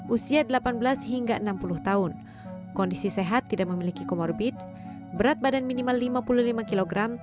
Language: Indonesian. usia delapan belas hingga enam puluh tahun kondisi sehat tidak memiliki komorbit berat badan minimal lima puluh lima kg